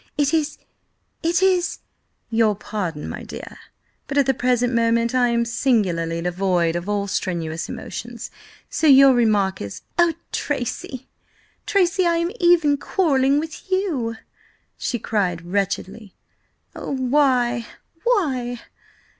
It is–it is—" "Your pardon, my dear, but at the present moment I am singularly devoid of all strenuous emotions, so your remark is—" "Oh, Tracy, Tracy, I am even quarrelling with you!" she cried wretchedly. "Oh, why?–why?"